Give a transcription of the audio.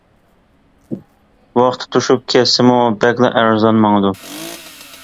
ۋاقتى توشۇپ كەتسىمۇ بەكلا ئەرزان ماڭىدۇ.